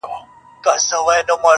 د درد پېټی دي را نیم کړه چي یې واخلم,